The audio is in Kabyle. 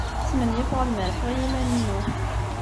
Smenyafeɣ ad merrḥeɣ i yiman-inu.